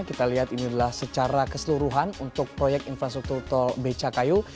kita lihat ini adalah secara keseluruhan untuk proyek infrastruktur tol becakayu